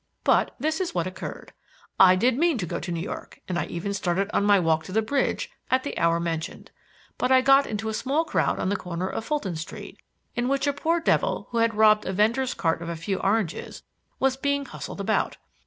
But this is what occurred. I did mean to go to New York and I even started on my walk to the Bridge at the hour mentioned. But I got into a small crowd on the corner of Fulton Street, in which a poor devil who had robbed a vendor's cart of a few oranges, was being hustled about.